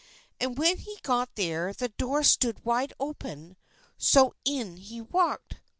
And when he got there the door stood wide open, so in he walked.